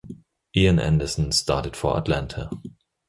Ian Anderson started for Atlanta.